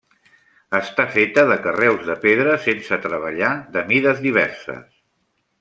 Està feta de carreus de pedra sense treballar de mides diverses.